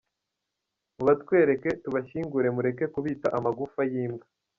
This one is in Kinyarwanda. Mubatwereke tubashyingure mureke kubita amagufa y imbwa.